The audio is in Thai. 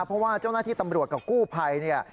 เพราะว่าเจ้าหน้าที่ตำรวจกับกู้ภัยเนี่ย